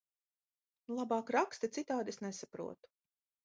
Labāk raksti, citādi es nesaprotu!